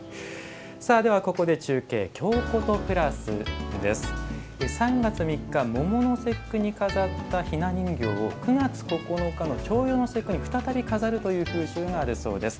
ここで、中継「京コト＋」です。３月３日、桃の節句に飾った雛人形を９月９日の重陽の節句に再び飾るという風習があるそうです。